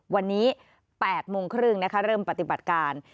วันนี้๘โมงครึ่งนะคะเริ่มปฏิบัติการ